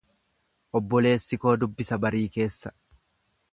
Obboleessi koo dubbisa barii keessa.